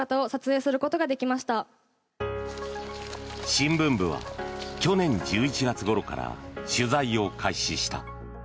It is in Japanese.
新聞部は去年１１月ごろから取材を開始した。